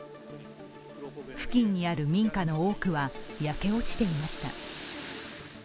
付近にある民家の多くは焼け落ちていました。